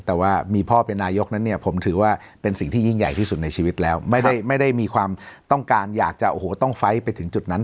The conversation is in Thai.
แต่ว่ามีพ่อเป็นนายกนั้นเนี่ยผมถือว่าเป็นสิ่งที่ยิ่งใหญ่ที่สุดในชีวิตแล้วไม่ได้มีความต้องการอยากจะโอ้โหต้องไฟล์ไปถึงจุดนั้น